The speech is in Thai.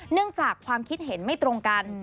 จากความคิดเห็นไม่ตรงกัน